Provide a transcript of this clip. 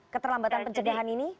keterlambatan pencegahan ini